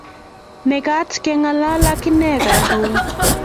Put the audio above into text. Mekat ke ng'alan ak inye karon